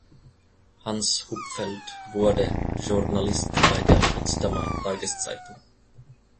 Hans Hupfeld wurde Journalist bei der "Potsdamer Tageszeitung".